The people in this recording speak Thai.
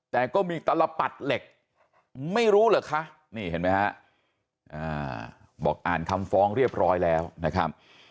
แต่ก็มีตลปัดเหล็กไม่รู้เหรอคะนี่เห็นไหมฮะบอกอ่านคำฟ้องเรียบร้อยแล้วนะครับ